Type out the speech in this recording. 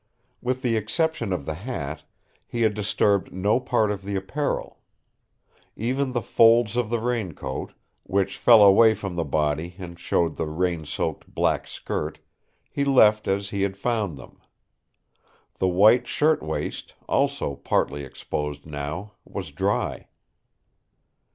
With the exception of the hat, he had disturbed no part of the apparel. Even the folds of the raincoat, which fell away from the body and showed the rain soaked black skirt, he left as he had found them. The white shirtwaist, also partly exposed now, was dry.